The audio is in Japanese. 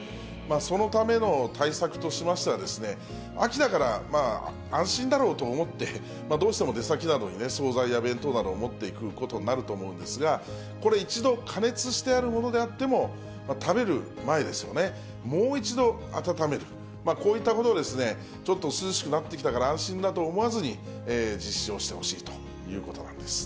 そのための対策としましては、秋だから安心だろうと思って、どうしても出先などに総菜や弁当などを持っていくことになると思うんですが、これ、一度加熱してあるものであっても、食べる前ですよね、もう一度、温める、こういったことを、ちょっと涼しくなってきたから安心だと思わずに、実施をしてほしいということなんです。